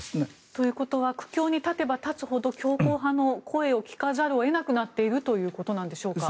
ということは苦境に立てば立つほど強硬派の声を聞かざるを得なくなっているということでしょうか。